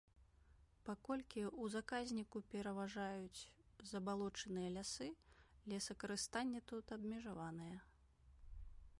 Паколькі ў заказніку пераважаюць забалочаныя лясы, лесакарыстанне тут абмежаванае.